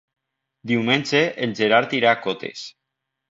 Diumenge en Gerard irà a Cotes.